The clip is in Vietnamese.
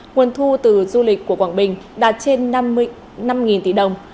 nguồn thu từ du lịch của quảng bình đạt trên năm tỷ đồng